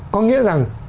có nghĩa rằng